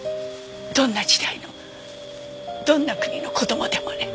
どんな時代のどんな国の子供でもね。